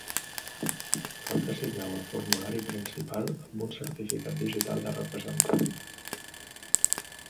Cal que signeu el formulari principal amb un certificat digital de representant.